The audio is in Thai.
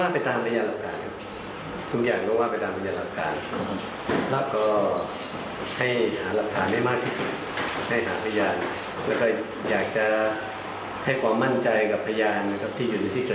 ไม่ต้องเกลียดกลัวอะไรกับคดี